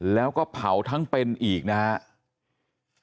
แล้วก็เผาทั้งเป็นอีกนะครับ